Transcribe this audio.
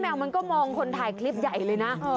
มันก็มองคนถ่ายคลิปใหญ่เลยนะ